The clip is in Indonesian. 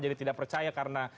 jadi tidak percaya karena